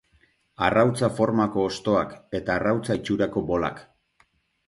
Arrautza formako hostoak eta arrautza itxurako bolak.